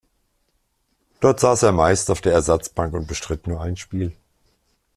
Dort saß er meist auf der Ersatzbank und bestritt nur ein Spiel.